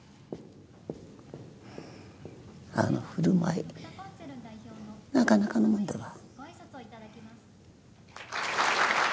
あの振る舞いなかなかのもんだわ。